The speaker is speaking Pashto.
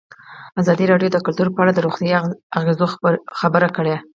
ازادي راډیو د کلتور په اړه د روغتیایي اغېزو خبره کړې.